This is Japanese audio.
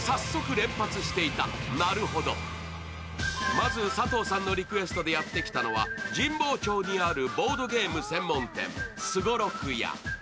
まず、佐藤さんのリクエストでやってきたのは、神保町にあるボードゲーム専門店すごろくや。